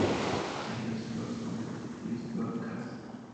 El río lleva su nombre por Julius von Haast.